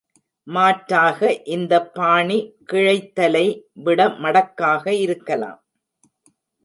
மாற்றாக, இந்த பாணி கிளைத்தலை விட மடக்காக இருக்கலாம்.